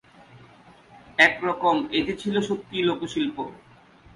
একরকম, এটি ছিল সত্যই লোকশিল্প।